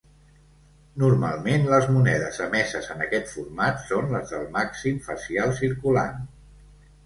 Normalment les monedes emeses en aquest format són les del màxim facial circulant.